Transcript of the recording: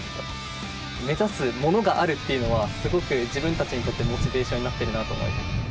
目指すものがあるっていうのは、すごく自分たちにとってモチベーションになってるなと思います。